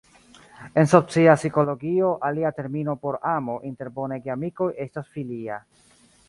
En socia psikologio, alia termino por amo inter bonaj geamikoj estas "filia".